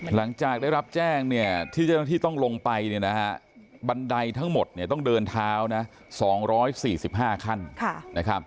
หลังจากได้รับแจ้งที่จะต้องลงไปบันไดทั้งหมดต้องเดินเท้า๒๔๕ขั้น